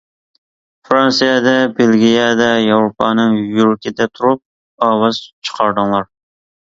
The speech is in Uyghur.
فىرانسىيەدە، بېلگىيەدە ياۋروپانىڭ يۈرىكىدە تۇرۇپ ئاۋاز چىقاردىڭلار!